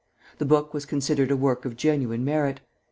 The book was considered a work of genuine merit.